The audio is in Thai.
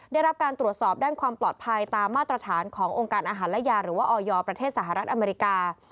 ได้รับการตรวจสอบด้านความปลอดภัยตามมาตรฐานขององค์การอาหารและยาหรือว่าออยประเทศสหรัฐอเมริกา